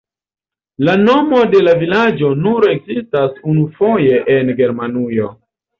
La nomo de la vilaĝo nur ekzistas unufoje en Germanujo.